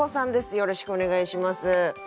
よろしくお願いします。